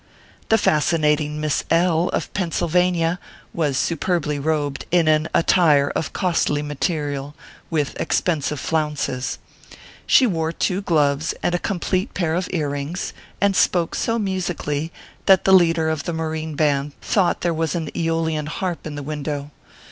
The fascinating Miss L , of Pennsylvania, was superbly robed in an attire of costly material, with expensive flounces. She wore two gloves and a com plete pair of ear rings, and spoke so musically that the leader of the Marine Band thought there was an asolian harp in the window.